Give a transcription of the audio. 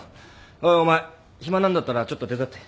おいお前暇なんだったらちょっと手伝って。